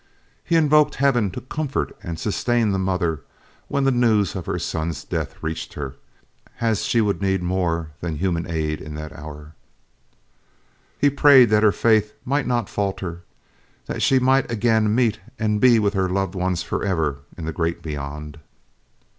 He invoked Heaven to comfort and sustain the mother when the news of her son's death reached her, as she would need more than human aid in that hour; he prayed that her faith might not falter and that she might again meet and be with her loved ones forever in the great beyond.